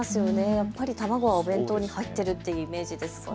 やっぱり卵、お弁当に入っているってイメージですよね。